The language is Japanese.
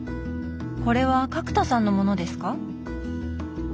これは角田さんのものですか？